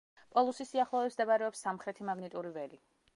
პოლუსის სიახლოვეს მდებარეობს სამხრეთი მაგნიტური ველი.